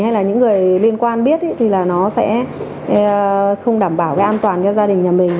hay là những người liên quan biết thì là nó sẽ không đảm bảo cái an toàn cho gia đình nhà mình